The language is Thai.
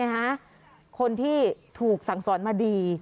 เนี่ยฮะคนที่ถูกสั่งสอนมาดี